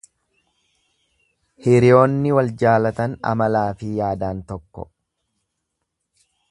Hiriyoonni waljaalatan amalaafi yaadaan tokko.